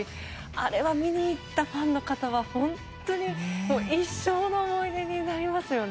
あれは、見に行ったファンの方は一生の思い出になりますよね。